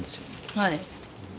はい。